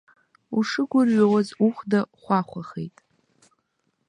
Ушгәырҩауаз ухәда хәахәахеит!